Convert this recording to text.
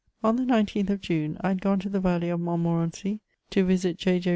On the 19th of June, I had gone to the valley of Montmo rency to visit J. J.